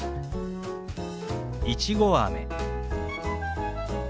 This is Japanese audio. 「いちごあめ」。